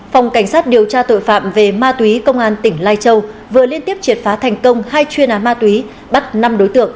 phòng cảnh sát điều tra tội phạm về ma túy công an tỉnh lai châu vừa liên tiếp triệt phá thành công hai chuyên án ma túy bắt năm đối tượng